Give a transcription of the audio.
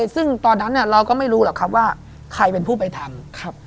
ซึ่งตอนนั้นเราก็ไม่รู้หรอกครับว่าใครเป็นผู้ไปทำ